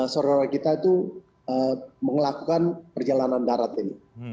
seorang orang kita itu melakukan perjalanan darat ini